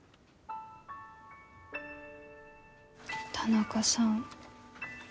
田中さん